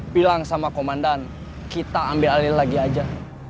bilang sama komandan kita ambil alih lagi aja